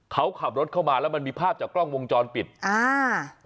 เขาขับรถเข้ามาแล้วมันมีภาพจากกล้องวงจรปิดอ่า